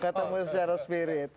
ketemu secara spirit